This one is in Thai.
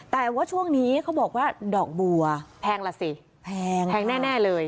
แต่ว่าช่วงนี้เขาบอกว่าดอกบัวแพงแน่เลย